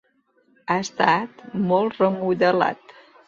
Ha estat molt remodelat.